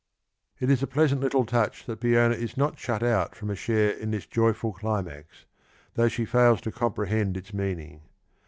It s a p>er..sant little touch that Peona is no!: shut p^onrv ssiKv/c oat irom a bhare in this joyful climax, though she fails to 'jomprehend irs meaning.